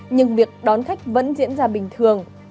nhưng việc đón khách vẫn diễn ra bình thường